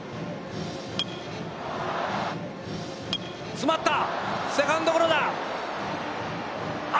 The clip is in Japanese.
詰まった、セカンドゴロだ。